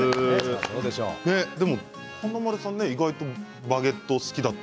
華丸さん、意外とバゲット好きだと。